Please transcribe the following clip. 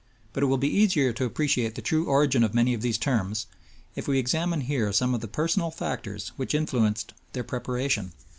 But it will be easier to appreciate the true origin of many of these terms if we examine here some of the personal factors which influenced their preparation.